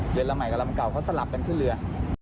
เรือลำใหม่กับลำเก่าเขาสลับเป็นที่เรือ